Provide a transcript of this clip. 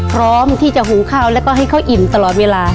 พร้อมที่จะหุงข้าวแล้วก็ให้เขาอิ่มตลอดเวลา